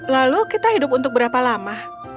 lalu kita hidup untuk berapa lama